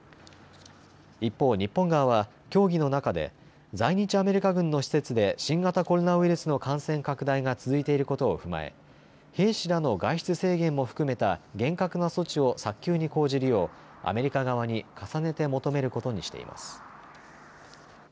一方、日本側は協議の中で在日アメリカ軍の施設で新型コロナウイルスの感染拡大が続いていることを踏まえ兵士らの外出制限も含めた厳格な措置を早急に講じるようアメリカ側に重ねて求めることにしています。